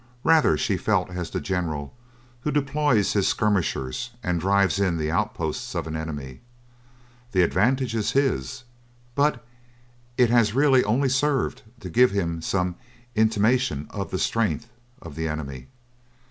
Rather she felt as the general who deploys his skirmishers and drives in the outposts of an enemy. The advantage is his, but it has really only served to give him some intimation of the strength of the enemy.